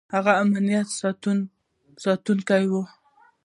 هغه د امنیت ساتونکی و.